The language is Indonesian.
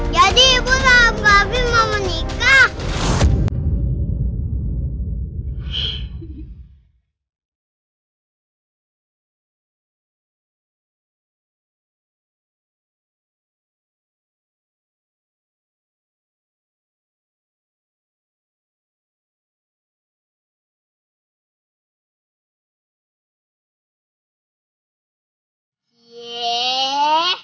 jadi ibu sama gafin mau menikah